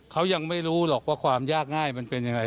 เขายังไม่รู้หรอกว่าความยากง่ายมันเป็นยังไง